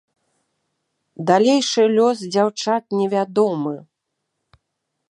Далейшы лёс дзяўчат невядомы.